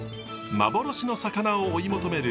幻の魚を追い求める